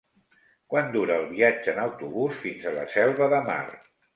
Quant dura el viatge en autobús fins a la Selva de Mar?